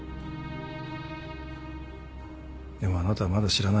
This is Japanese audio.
でもあなたはまだ知らない。